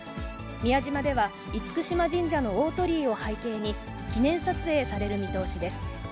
宮島では、厳島神社の大鳥居を背景に、記念撮影される見通しです。